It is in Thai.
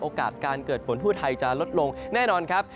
โอกาสการเกิดฝนทั่วไทยจะลดลงแน่นอนครับ